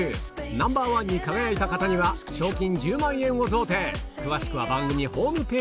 ナンバーワンに輝いた方には賞金１０万円を贈呈